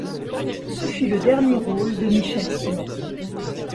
Ce fut le dernier rôle de Michel Simon.